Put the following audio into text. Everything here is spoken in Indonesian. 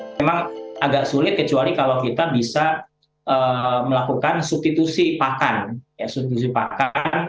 memang agak sulit kecuali kalau kita bisa melakukan substitusi pakan